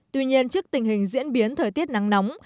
tuy nhiên trước tình hình diễn biến thời tiết nắng nóng